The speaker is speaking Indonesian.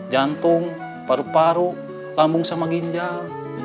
jantung paru paru lambung sama ginjal